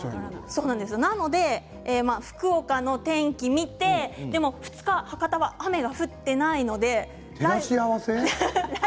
そうなので福岡の天気を見て２日博多は雨が降っていないので。